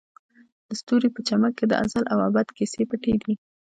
د ستوري په چمک کې د ازل او ابد کیسې پټې دي.